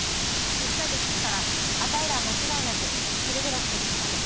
１カ月したらあたいらは間違いなくケルベロスとぶつかる。